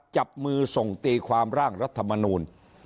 จับมือส่งตีความร่างรัฐมนูล